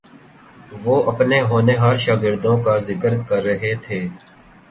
وہ اپنے ہونہار شاگردوں کا ذکر کر رہے تھے